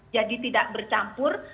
jadi tidak bercampur